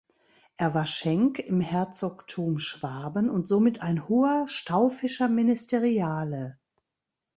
Er war Schenk im Herzogtum Schwaben und somit ein hoher staufischer Ministeriale.